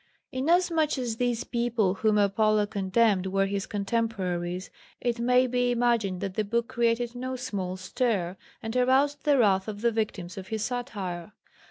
Inasmuch as these people whom Apollo condemned were his contemporaries, it may be imagined that the book created no small stir, and aroused the wrath of the victims of his satire.